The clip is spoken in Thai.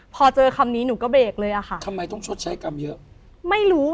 พอเจอคำนี้หนูก็เบรกเลยอ่ะค่ะทำไมต้องชดใช้กรรมเยอะไม่รู้